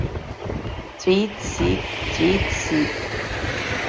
Ҵәит-сит, ҵәит-сит.